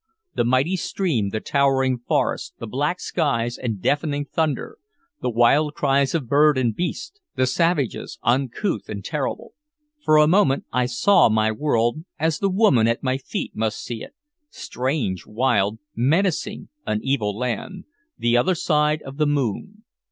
The mighty stream, the towering forests, the black skies and deafening thunder, the wild cries of bird and beast the savages, uncouth and terrible, for a moment I saw my world as the woman at my feet must see it, strange, wild, and menacing, an evil land, the other side of the moon.